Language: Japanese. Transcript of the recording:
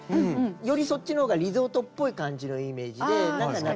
よりそっちのほうがリゾートっぽい感じのイメージで夏のイメージで。